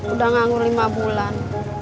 udah nganggur lima bulan